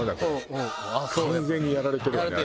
完全にやられてるわね私。